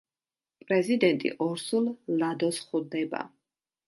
პრეზიდენტი ორსულ ლადოს ხვდება.